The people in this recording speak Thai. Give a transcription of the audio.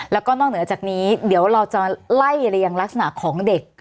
แล้วก็นอกเหนือจากนี้เดี๋ยวเราจะไล่เรียงลักษณะของเด็ก